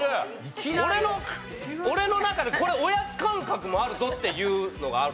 俺の中でこれおやつ感覚もあるぞっていうのがある。